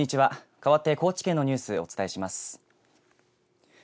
かわって高知県のニュースお伝えします。